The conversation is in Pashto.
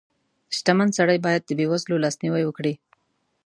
• شتمن سړی باید د بېوزلو لاسنیوی وکړي.